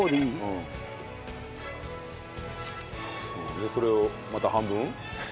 でそれをまた半分？